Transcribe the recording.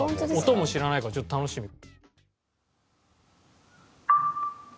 音も知らないからちょっと楽しみ。